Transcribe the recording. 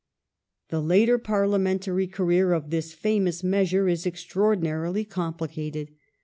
The Bill The later parliamentary career of this famous measure is ex traordinarily complicated.